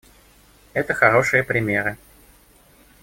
Это хорошие примеры.